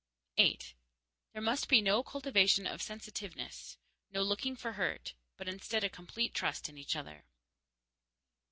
_8. There must be no cultivation of sensitiveness, no looking for hurt, but instead a complete trust in each other.